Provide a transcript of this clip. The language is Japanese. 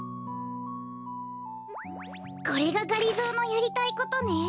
これががりぞーのやりたいことね。